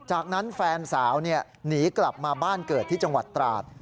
จากนั้นแฟนสาวหนีกลับมาบ้านเกิดที่จังหวัดตราด